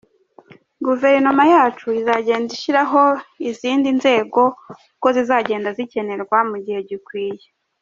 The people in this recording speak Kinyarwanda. Guverinoma yacu izagenda ishyiraho izindi nzego uko zizagenda zikenerwa, mu gihe gikwiye.